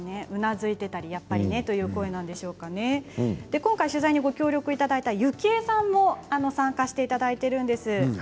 うなずいていたりやっぱりねという声なんでしょうか、今回取材にご協力いただいたゆきえさんも参加していただいているんです。